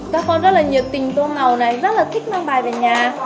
các con rất là nhiệt tình tôn ngầu rất là thích mang bài về nhà